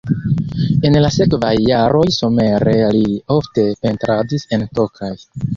En la sekvaj jaroj somere li ofte pentradis en Tokaj.